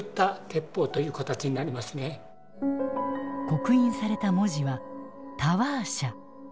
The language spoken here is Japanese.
刻印された文字は「タワー社」。